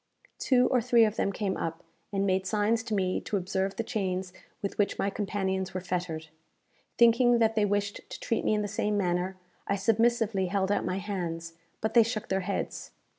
Two or three of them came up, and made signs to me to observe the chains with which my companions were fettered. Thinking that they wished to treat me in the same manner, I submissively held out my hands; but they shook their heads.